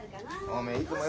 おめえいつもよ